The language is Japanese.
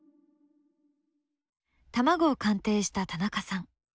卵を鑑定した田中さん。